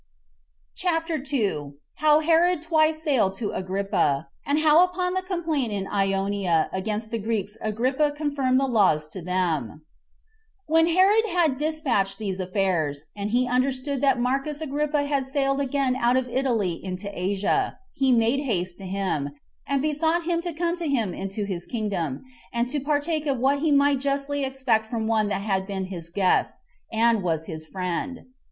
CHAPTER 2. How Herod Twice Sailed To Agrippa; And How Upon The Complaint In Ionia Against The Greeks Agrippa Confirmed The Laws To Them. 1. When Herod had despatched these affairs, and he understood that Marcus Agrippa had sailed again out of Italy into Asia, he made haste to him, and besought him to come to him into his kingdom, and to partake of what he might justly expect from one that had been his guest, and was his friend.